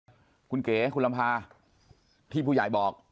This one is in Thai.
ต้องหาคุณเก๋คุณรำพาที่ผู้ใหญ่บอก